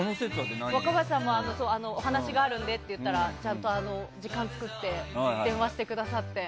若林さんもお話があるのでと言ったらちゃんと、時間を作って電話してくださって。